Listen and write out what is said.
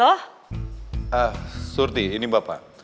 ah surti ini bapak